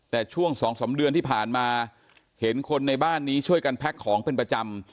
แต่ช่วง๒๓เดือนที่ผ่านมาเห็นคนในบ้านนี้ช่วยกันแพ็คของเป็นประจำ